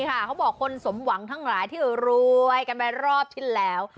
เขาบอกคนสมหวังทั้งหลายที่รวยกันไปรอบที่แล้ว